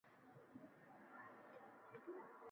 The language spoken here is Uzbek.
Paraosiyo o‘yinlariga tayyorgarlik muhokama qilinding